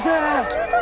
消えた！